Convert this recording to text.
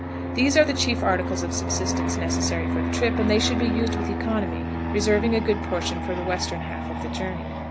These are the chief articles of subsistence necessary for the trip, and they should be used with economy, reserving a good portion for the western half of the journey.